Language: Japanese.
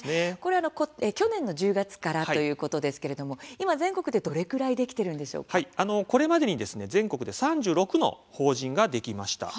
去年の１０月からということですが今、全国でどれぐらいこれまでに全国で３６の法人ができました。